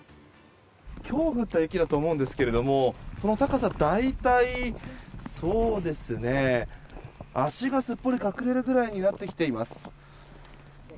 今日降った雪だと思うんですがその高さ、大体足がすっぽり隠れるぐらいになっています。